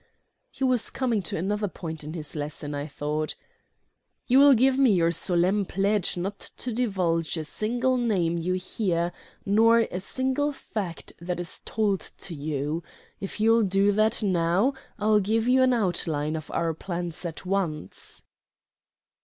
He was coming to another point in his lesson, I thought. "You will give me your solemn pledge not to divulge a single name you hear, nor a single fact that is told to you. If you'll do that now, I'll give you an outline of our plans at once."